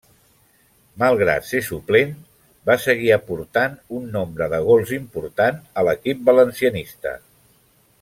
Malgrat ser suplent, va seguir aportant un nombre de gols important a l'equip valencianista.